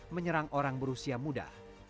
menyerang orang berusia muda